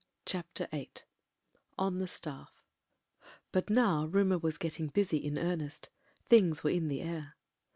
CHAPTER VIII ON THE STAFF BUT now rumour was getting busy in earnest — things were in the air.